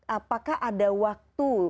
apakah ada waktu